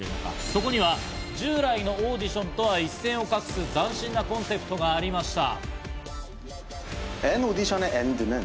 そこには従来のオーディションとは一線を画す斬新なコンセプトがありました。